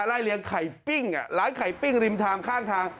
ไล่เลี้ยงไข่ปิ้งร้านไข่ปิ้งริมทางข้างทาง